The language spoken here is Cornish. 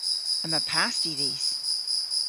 Yma pasti dhis.